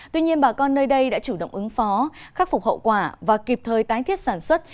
tuy nhiên bà con nơi đây đã chủ động ứng phó khắc phục hậu quả và kịp thời tái thiết sản xuất